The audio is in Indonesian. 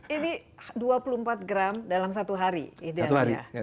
ini dua puluh empat gram dalam satu hari idealnya